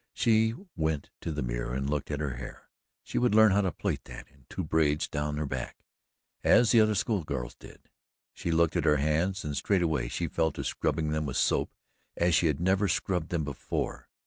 She went to the mirror and looked at her hair she would learn how to plait that in two braids down her back, as the other school girls did. She looked at her hands and straightway she fell to scrubbing them with soap as she had never scrubbed them before.